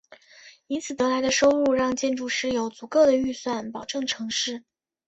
以此得来的收入让建筑师有足够的预算保证成事。